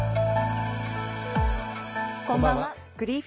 こんばんは。